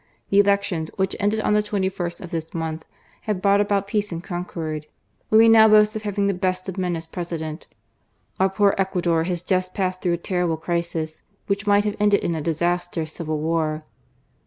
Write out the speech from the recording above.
The elections, which ended on the 2ist of this month, have brought about peace and concord. We may now boast of having the best of men as President. Our poor Ecuador has just passed through a terrible crisis, which might have ended in a disastrous civil war."